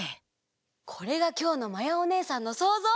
これがきょうのまやおねえさんのそうぞう。